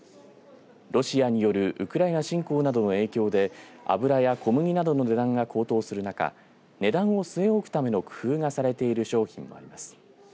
ロシアによるウクライナ侵攻などの影響で油や小麦などの値段が高騰する中値段を据え置くための工夫がされている商品もあります。